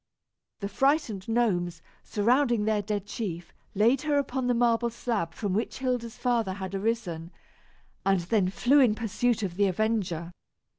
The frightened gnomes, surrounding their dead chief, laid her upon the marble slab from which Hilda's father had arisen, and then flew in pursuit of the avenger.